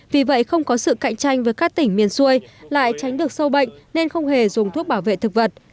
vì vậy không có sự cạnh tranh với các tỉnh miền xuôi lại tránh được sâu bệnh nên không hề dùng thuốc bảo vệ thực vật